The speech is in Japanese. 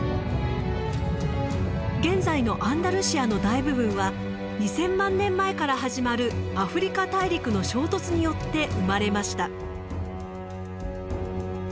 現在のアンダルシアの大部分は２，０００万年前から始まるアフリカ大陸の衝突によって生まれました。